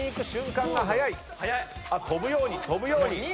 跳ぶように跳ぶように。